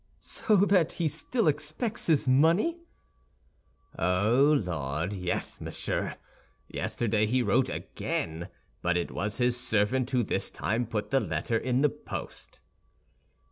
"So that he still expects his money?" "Oh, Lord, yes, monsieur! Yesterday he wrote again; but it was his servant who this time put the letter in the post."